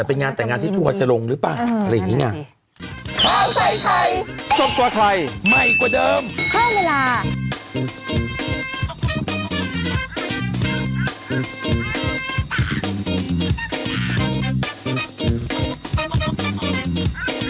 โปรดติดตามตอนต่อไป